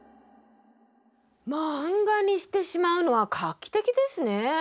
漫画にしてしまうのは画期的ですね。